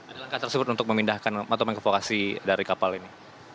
ada langkah tersebut untuk memindahkan motor motor ke vokasi dari kapal ini